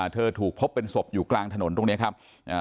ถูกพบเป็นศพอยู่กลางถนนตรงนี้ครับอ่า